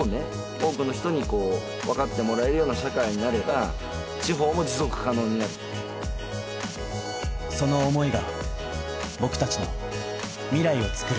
多くの人に分かってもらえるような社会になれば地方も持続可能になるその思いが僕達の未来をつくる